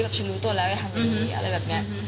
อยากจะทำแบบนี้